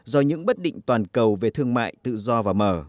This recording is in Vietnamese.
do những bất định toàn cầu về thương mại tự do và mở